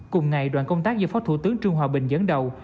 cùng ngày đoàn công tác do phó thủ tướng trương hòa bình dẫn đầu